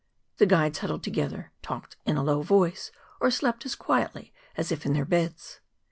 The guides huddled together, talked in a low voice, or slept as quietly as if in their beds.